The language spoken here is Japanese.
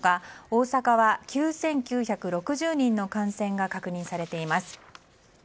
大阪は、９９６０人の感染が確認されています。